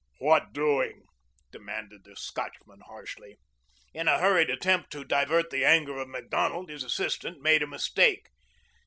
"What doing?" demanded the Scotchman harshly. In a hurried attempt to divert the anger of Macdonald, his assistant made a mistake.